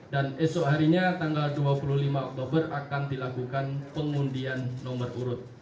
dan esok harinya tanggal dua puluh lima oktober akan dilakukan pengundian nomor urut